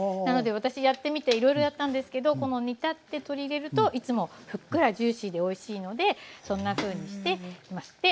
なので私やってみていろいろやったんですけどこの煮立って鶏入れるといつもふっくらジューシーでおいしいのでそんなふうにしています。